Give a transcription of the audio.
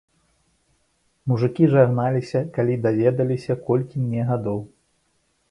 Мужыкі жагналіся, калі даведваліся, колькі мне гадоў.